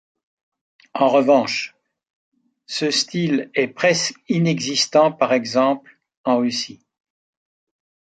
En revanche, ce style est presque inexistant, par exemple, en Russie.